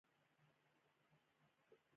هو، بېچاره، هغه ستا وړ ده؟ هو، ولې نه.